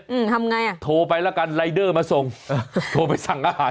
อืมทำไงอ่ะโทรไปแล้วกันรายเดอร์มาส่งเออโทรไปสั่งอาหาร